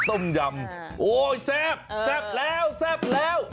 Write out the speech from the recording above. โอ้ยโอ้ยแซ่บแล้วแล้ว